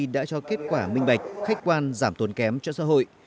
đã cho kết quả minh bạch khách quan giảm tốn kém cho xã hội